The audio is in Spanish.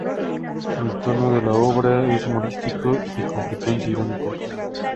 El tono de la obra es humorístico y con frecuencia irónico.